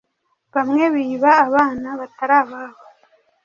bamwe biba abana batari ababo